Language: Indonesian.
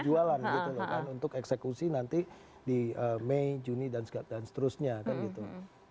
jualan gitu loh kan untuk eksekusi nanti di mei juni dan seterusnya kan gitu